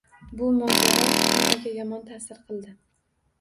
Bu mojaro hammaga yomon ta`sir qildi